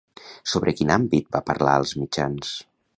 Sobre quin àmbit va parlar als mitjans?